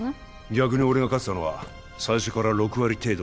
逆に俺が勝てたのは最初から６割程度